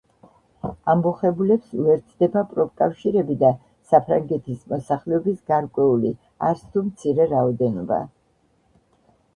ამბოხებულებს უერთდება პროფკავშირები და საფრანგეთის მოსახლეობის გარკვეული, არც თუ მცირე რაოდენობა.